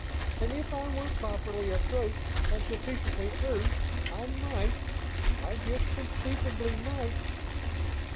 and if I were properly approached and sufficiently urged, I might ... I just conceivably might